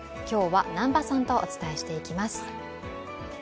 今日は南波さんとお伝えしていきます。